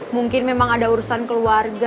mungkin memang ada urusan keluarga